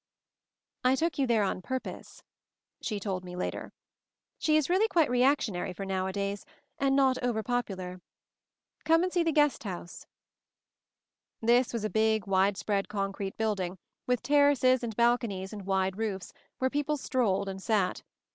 "I took you there on purpose," she told me later. "She is really quite reactionary for nowadays, and not over popular. Come and see the guest house." MOVING THE MOUNTAIN 157 This was a big, wide spread concrete building, with terraces and balconies and wide roofs, where people strolled and sat.